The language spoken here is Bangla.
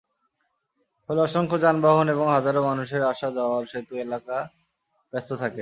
ফলে অসংখ্য যানবাহন এবং হাজারো মানুষের আসা-যাওয়ায় সেতু এলাকা ব্যস্ত থাকে।